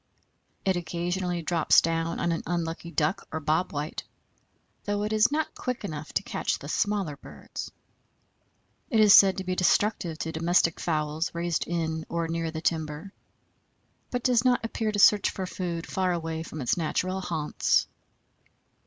It occasionally drops down on an unlucky Duck or Bob White, though it is not quick enough to catch the smaller birds. It is said to be destructive to domestic fowls raised in or near the timber, but does not appear to search for food far away from its natural haunts.